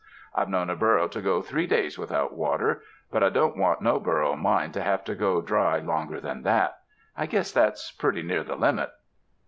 I've known a burro to go three days without water, but I don't want no burro of mine to have to go dry longer than that. I guess that's pretty near the limit.